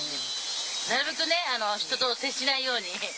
なるべくね、人と接しないように。